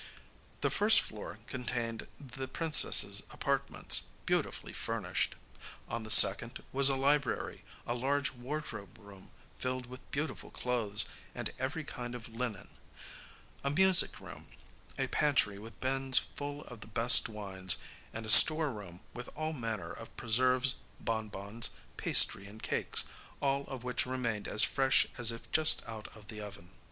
The first floor contained the princess's apartments, beautifully furnished. On the second was a library, a large wardrobe room filled with beautiful clothes and every kind of linen, a music room, a pantry with bins full of the best wines, and a store room with all manner of preserves, bonbons, pastry and cakes, all of which remained as fresh as if just out of the oven.